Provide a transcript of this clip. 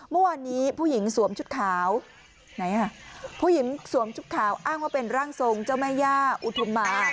เมื่อวานนี้ผู้หญิงสวมชุดขาวไหนอ่ะผู้หญิงสวมชุดขาวอ้างว่าเป็นร่างทรงเจ้าแม่ย่าอุทุมมา